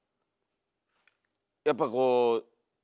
やっぱこう。